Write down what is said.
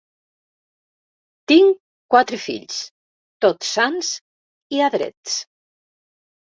Tinc quatre fills, tots sans i adrets.